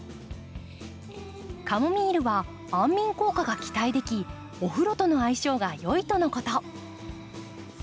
カモミールは安眠効果が期待できお風呂との相性がよいとのこと。